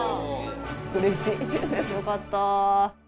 よかった。